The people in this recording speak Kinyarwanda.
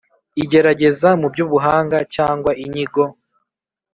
Igerageza mu by ubuhanga cyangwa inyigo